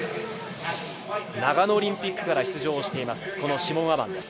長野オリンピックから出場しています、シモン・アマン。